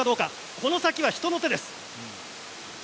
その先は人の手です。